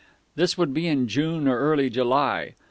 This would be in June or early in July.